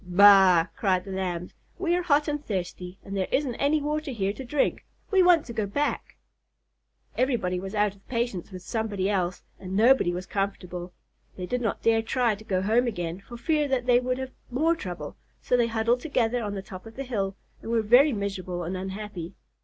"Baa!" cried the Lambs. "We are hot and thirsty and there isn't any water here to drink. We want to go back." Everybody was out of patience with somebody else, and nobody was comfortable. They did not dare try to go home again, for fear they would have more trouble, so they huddled together on the top of the hill and were very miserable and unhappy.